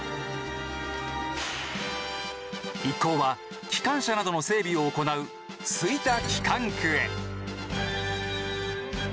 一行は機関車などの整備を行う吹田機関区へ。